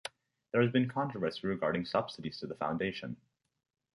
There has been controversy regarding subsidies to the foundation.